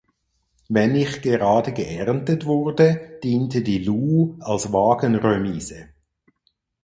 Wenn nicht gerade geerntet wurde, diente die "Loo" als Wagenremise.